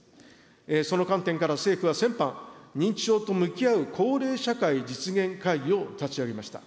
その観点から、政府は先般、認知症と向き合う「幸齢社会」実現会議を立ち上げました。